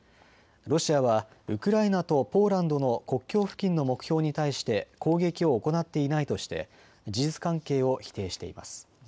ロシアはウクライナとポーランドの国境付近の目標に対して攻撃を行っていないとして事実関係を否定しています。